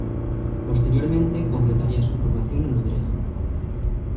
Posteriormente, completaría su formación en Utrecht.